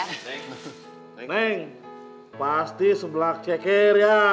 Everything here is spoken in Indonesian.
neng neng pasti sebelah ceker ya